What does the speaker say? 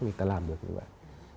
người ta làm được như vậy